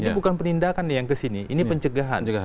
ini bukan penindakan nih yang kesini ini pencegahan